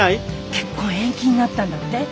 結婚延期になったんだって？